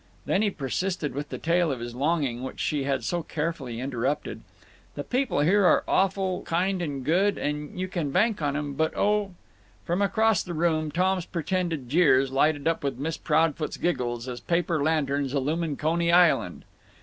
… "Then he persisted with the tale of his longing, which she had so carefully interrupted: "The people here are awful kind and good, and you can bank on 'em. But—oh—" From across the room, Tom's pretended jeers, lighted up with Miss Proudfoot's giggles, as paper lanterns illumine Coney Island.